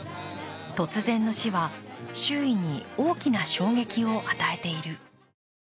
突然の死は周囲に大きな衝撃を与えている。